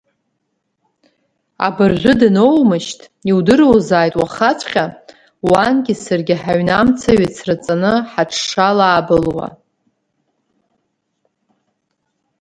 Абыржәы даноуумышьҭ, иудыруазааит уахаҵәҟьа уангьы саргьы ҳаҩны амца ҩацраҵаны ҳаҽшалаабылуа.